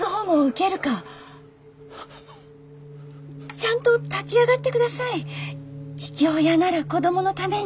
ちゃんと立ち上がってください父親なら子供のために。